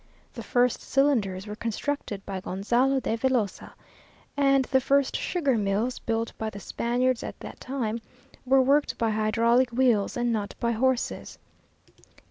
The first cylinders were constructed by Gonzalo de Velosa, and the first sugar mills built by the Spaniards at that time were worked by hydraulic wheels and not by horses.